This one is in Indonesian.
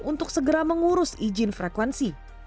untuk segera mengurus izin frekuensi